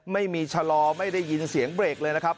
ไม่มีชะลอไม่ได้ยินเสียงเบรกเลยนะครับ